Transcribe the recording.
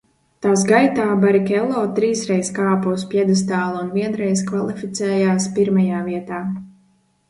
Tās gaitā Barikello trīsreiz kāpa uz pjedestāla un vienreiz kvalificējās pirmajā vietā.